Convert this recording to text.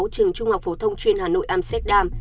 trường trung học phổ thông chuyên hà nội amsterdam